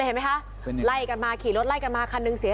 เห็นไหมคะไล่กันมาขี่รถไล่กันมาคันหนึ่งเสีย